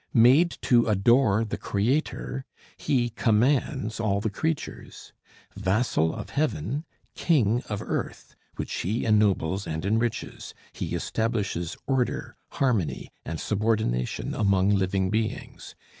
Made to adore the Creator, he commands all the creatures. Vassal of heaven, king of earth, which he ennobles and enriches, he establishes order, harmony, and subordination among living beings.